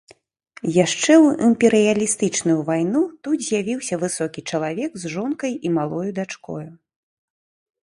Яшчэ ў імперыялістычную вайну тут з'явіўся высокі чалавек з жонкай і малою дачкою.